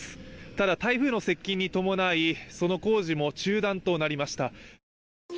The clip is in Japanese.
ただ、台風の接近に伴い、その工事も中断となりました。